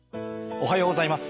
おはようございます。